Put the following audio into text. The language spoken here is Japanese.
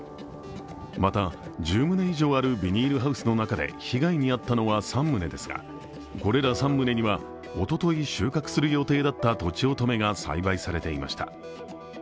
また、１０棟以上あるビニールハウスの中で被害に遭ったのは３棟ですが、これら３棟には、おととい収穫する予定だったとちおとめが栽培されていました。